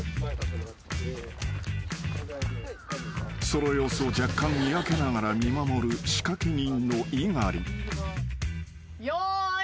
［その様子を若干にやけながら見守る仕掛け人の猪狩］用意。